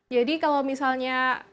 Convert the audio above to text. jadi kalau misalnya